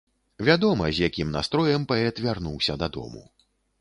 Вядома, з якім настроем паэт вярнуўся дадому.